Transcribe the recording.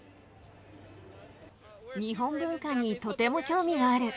日本文化にとても興味がある。